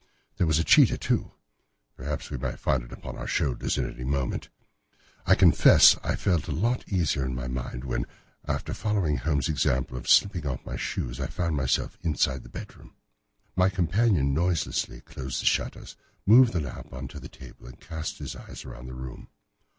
There was a cheetah, too; perhaps we might find it upon our shoulders at any moment. I confess that I felt easier in my mind when, after following Holmes' example and slipping off my shoes, I found myself inside the bedroom. My companion noiselessly closed the shutters, moved the lamp onto the table, and cast his eyes round the room.